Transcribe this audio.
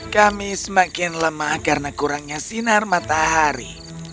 kami semakin lemah karena kurangnya sinar matahari